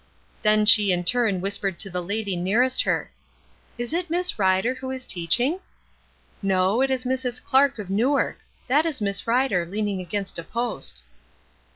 Then she in turn whispered to the lady nearest her: "Is it Miss Rider who is teaching?" "No, it is Mrs. Clark, of Newark. That is Miss Rider leaning against a post."